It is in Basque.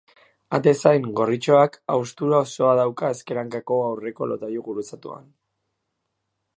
Atezain gorritxoak haustura osoa dauka ezker hankako aurreko lotailu gurutzatuan.